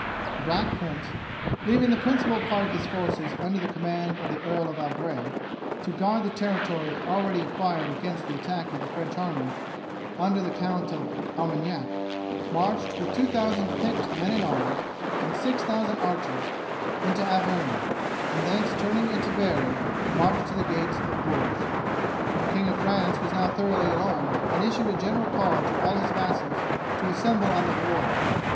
The Black Prince, leaving the principal part of his forces under the command of the Earl of Albret to guard the territory already acquired against the attack of the French army under the Count of Armagnac, marched with 2000 picked men at arms and 6000 archers into Auvergne, and thence turning into Berry, marched to the gates of Bourges. The King of France was now thoroughly alarmed, and issued a general call to all his vassals to assemble on the Loire.